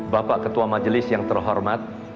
bapak ketua majelis yang terhormat